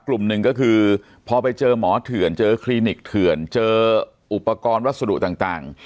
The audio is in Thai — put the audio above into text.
กลุ่มหนึ่งก็คือพอไปเจอหมอเถื่อนเจอคลินิกเถื่อนเจออุปกรณ์วัสดุต่าง